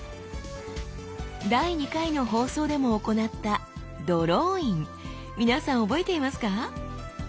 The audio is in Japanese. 第２回の放送でも行ったドローイン皆さん覚えていますか？